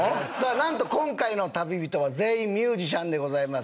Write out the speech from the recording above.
なんと今回の旅人は全員ミュージシャンでございます